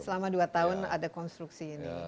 selama dua tahun ada konstruksi ini